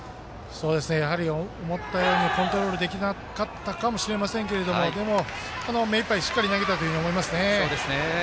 やはり思ったよりもコントロールできなかったかもしれませんけどでも、目いっぱいしっかり投げたと思いますね。